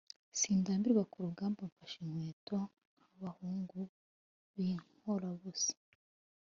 Sindambirwa ku rugamba mfashe inkweto, nk’abahungu b’inkorabusa,